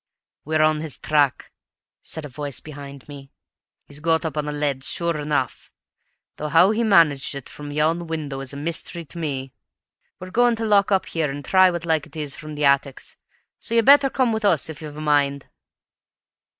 "We're on his track," said a voice behind me. "He's got up on the leads, sure enough, though how he managed it from yon window is a myst'ry to me. We're going to lock up here and try what like it is from the attics. So you'd better come with us if you've a mind."